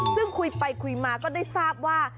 ซึ่งคุยไปคุยมาก็ได้ทราบว่า